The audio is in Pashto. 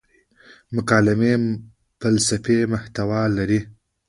مکالمې فلسفي محتوا لري.